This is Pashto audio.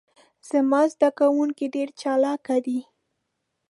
زما ذده کوونکي ډیر چالاکه دي.